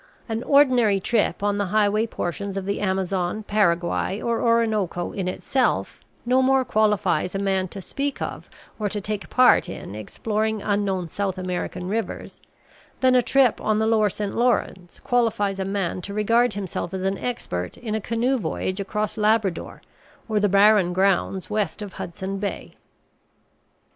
An ordinary trip on the highway portions of the Amazon, Paraguay, or Orinoco in itself no more qualifies a man to speak of or to take part in exploring unknown South American rivers than a trip on the lower Saint Lawrence qualifies a man to regard himself as an expert in a canoe voyage across Labrador or the Barren Grounds west of Hudson Bay.